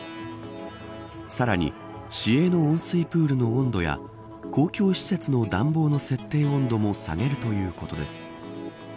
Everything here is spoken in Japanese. さらに、市営の温水プールの温度や公共施設の暖房の設定温度も下げるということです。